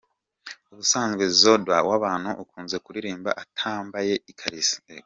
Ubusanzwe Zodwa Wabantu akunze kuririmba atambaye ikariso.